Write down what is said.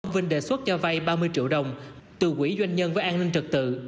vinh đề xuất cho vay ba mươi triệu đồng từ quỹ doanh nhân với an ninh trật tự